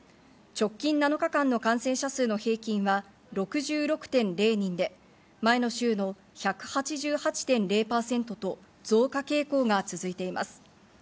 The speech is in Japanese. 直近７日間の感染者数の平均は６６．０人で、前の週の１８８．０％と増加傾向が続いています。